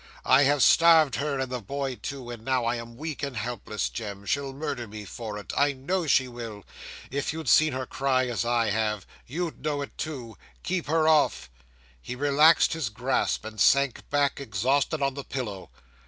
I have starved her and the boy too; and now I am weak and helpless, Jem, she'll murder me for it; I know she will. If you'd seen her cry, as I have, you'd know it too. Keep her off." He relaxed his grasp, and sank back exhausted on the pillow.